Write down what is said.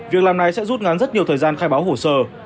việc làm này sẽ rút ngắn rất nhiều thời gian khai báo hồ sơ